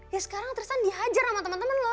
ya sekarang tristan dihajar sama temen temen lo